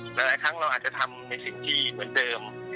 หลายครั้งเราอาจจะทำในสิ่งที่เหมือนเดิม